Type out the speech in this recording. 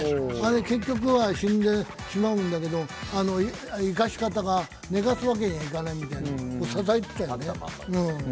結局は死んでしまうんだけど、生かし方が、寝かすわけにはいかない、支えてたよね。